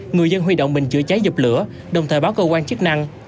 người dân huy động bình chữa cháy dập lửa đồng thời báo cơ quan chức năng